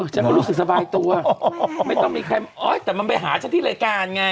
ฉันก็รู้สึกสบายตัวไม่ต้องมีใครแต่มันไปหาฉันที่รายการไง